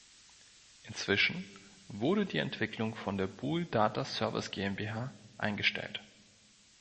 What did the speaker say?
Inzwischen wurde die Entwicklung von der Buhl Data Service GmbH eingestellt.